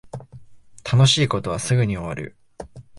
楽しい事はすぐに終わる